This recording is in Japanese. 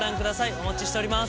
お待ちしております。